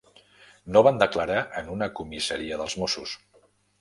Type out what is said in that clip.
No van declarar en una comissaria dels Mossos.